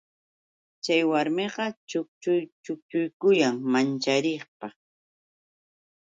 Chay warmiqa chukchukuyan manchariypaq.